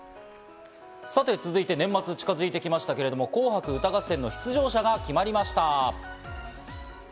さて続いて、年末が近づいてきましたけれども、『紅白歌合戦』の出場者が決まりました。